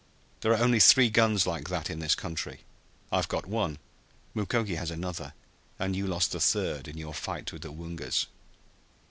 There are only three guns like that in this country. I've got one, Mukoki has another and you lost the third in your fight with the Woongas!"